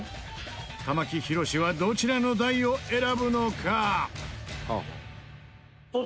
玉木宏はどちらの台を選ぶのか？